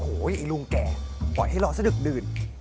โอ้โหไอ้ลุงแก่ปล่อยให้รอสะดึกดื่น